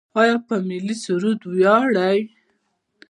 آیا په ملي سرود ویاړو؟